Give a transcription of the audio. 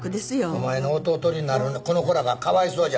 お前の弟になるこの子らがかわいそうじゃわい。